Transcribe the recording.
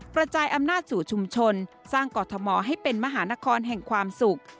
กระจายอำนาจสู่ชุมชนสร้างกรทมให้เป็นมหานครแห่งความสุข